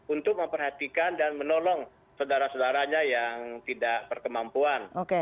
untuk memperhatikan dan menolong saudara saudaranya yang tidak berkemampuan